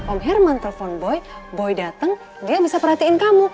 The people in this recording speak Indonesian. om herman telpon boy boy dateng dia bisa perhatiin kamu